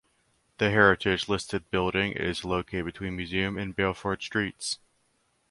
The heritage listed building is located between Museum and Beaufort Streets.